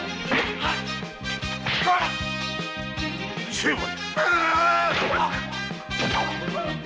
成敗！